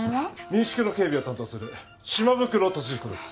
民宿の警備を担当する島袋俊彦です